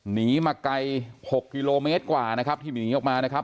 หนีมาไกล๖กิโลเมตรกว่านะครับที่หนีออกมานะครับ